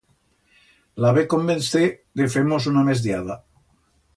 La ve convencer de fer-mos una mesdiada.